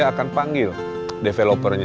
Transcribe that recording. kita akan panggil developernya